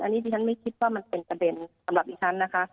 อันนี้ดิฉันไม่คิดว่ามันเป็นประเด็นสำหรับดิฉันนะคะ